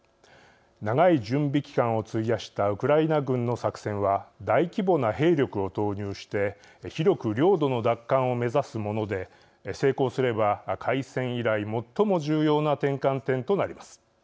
長い準備期間を費やしたウクライナ軍の作戦は大規模な兵力を投入して広く領土の奪還を目指すもので成功すれば、開戦以来最も重要な転換点となります。